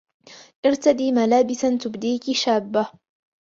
ارتدي ملابسا تبديكِ شابة.